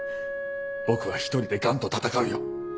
僕は一人で癌と闘うよ。